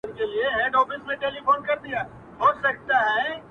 هر یوه خپل په وار راوړي بربادې وې دلته-